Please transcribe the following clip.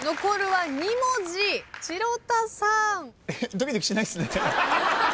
ドキドキしないっすね。